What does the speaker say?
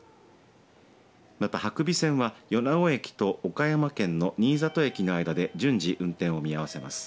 また伯備線は米子駅と岡山県の新郷駅の間で順次運転を見合わせます。